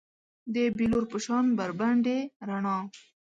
د بیلور په شان بربنډې رڼا